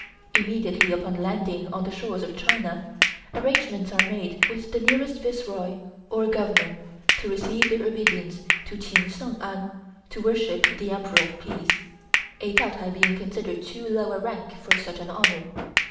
Immediately upon landing on the shores of China, arrangements are made with the nearest Viceroy or Governor to receive their obeisance to Ching Sheng An (to worship the Emperor of Peace), a Taotai being considered of too low a rank for such an honor.